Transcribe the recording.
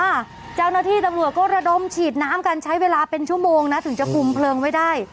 เจ้าหน้าที่ตำรวจก็ระดมฉีดน้ำกันใช้เวลาเป็นชั่วโมงนะถึงจะคุมเพลิงไว้ได้